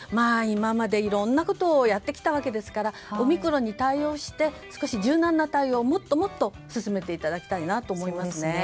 今までいろんなことをやってきたわけですからオミクロンに対応して柔軟な対応をもっともっと進めていただきたいなと思います。